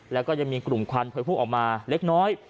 แล้วก็ยังมีกลุ่มควันเผยพุ่งออกมาเล็กน้อย